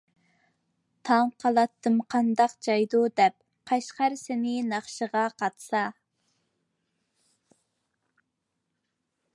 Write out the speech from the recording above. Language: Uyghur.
تاڭ قالاتتىم قانداق جايدۇ؟ دەپ، قەشقەر سىنى ناخشىغا قاتسا.